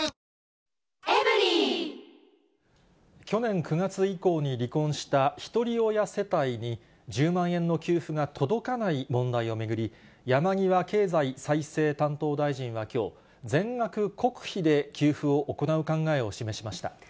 去年９月以降に離婚したひとり親世帯に、１０万円の給付が届かない問題を巡り、山際経済再生担当大臣はきょう、全額国費で給付を行う考えを示しました。